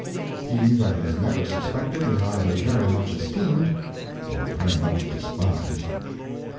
He that is never suspected, is either very much esteemed, or very much despised.